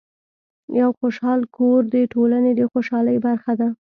یو خوشحال کور د ټولنې د خوشحالۍ برخه ده.